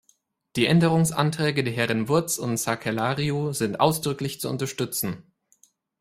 Die Änderungsanträge der Herren Wurtz und Sakellariou sind ausdrücklich zu unterstützen.